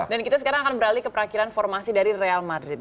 dan kita sekarang akan beralih ke perakhiran formasi dari real madrid